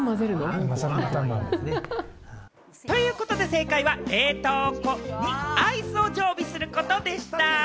正解は、冷凍庫にアイスを常備することでした。